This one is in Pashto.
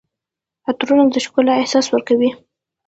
عطرونه د ښکلا احساس ورکوي.